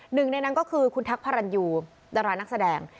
หนึ่งในนั้นก็คือคุณแท็กพระรันยูดารานักแสดง